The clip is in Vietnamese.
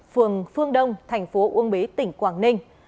phường phương đông thành phố uông bí tỉnh quảng ninh